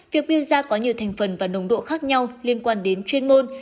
việc piêu da có nhiều thành phần và nồng độ khác nhau liên quan đến chuyên môn